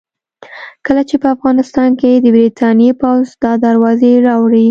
کله چې په افغانستان کې د برتانیې پوځ دا دروازې راوړې.